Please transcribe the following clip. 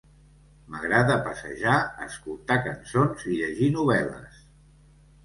M'agrada passejar, escoltar cançons i llegir novel·les.